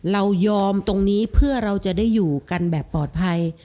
เรายอมตรงนี้เพื่อเราจะได้อยู่กันแบบปลอดภัย